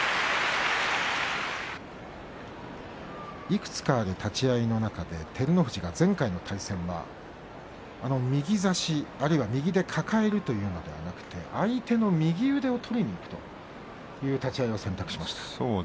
いくつかある立ち合いの中で照ノ富士が前回の対戦は右差し、あるいは右で抱えるというのではなくて相手の右腕を取りにいくという立ち合いを選択しました。